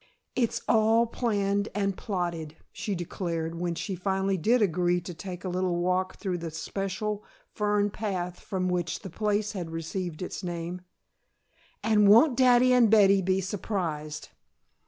"It's all planned and plotted," she declared, when she finally did agree to take a little walk through the special fern path from which the place had received its name, "and won't daddy and Betty be surprised?"